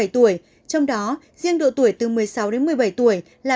trong đó riêng độ tuổi từ một mươi sáu một mươi bảy tuổi là ba mươi chín